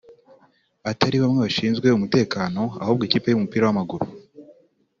atari bamwe bashinzwe umutekano ahubwo ikipe y’umupira w’amaguru